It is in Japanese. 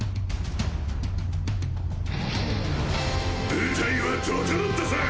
舞台は整ったさぁ。